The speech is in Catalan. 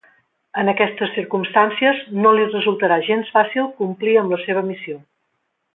En aquestes circumstàncies no li resultarà gens fàcil complir amb la seva missió.